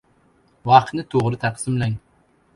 Vaqtni to‘g‘ri taqsimlang!